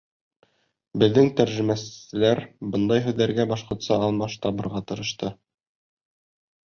Беҙҙең тәржемәселәр бындай һүҙҙәргә башҡортса алмаш табырға тырышты.